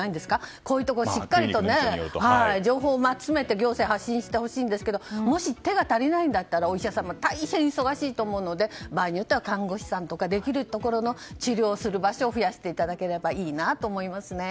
こういうところ、しっかり情報を集めて行政が発信してほしいんですけどもしお医者様の手が足りないなら場合によっては看護師さんとかできるところの治療する場所を増やしていただければいいなと思いますね。